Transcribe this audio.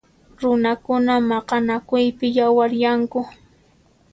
Runakuna maqanakuypi yawaryanku.